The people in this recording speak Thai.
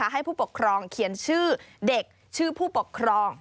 ให้ผู้ปกครองเขียนชื่อเด็กชื่อผู้ปกครอง